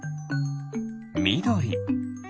みどり。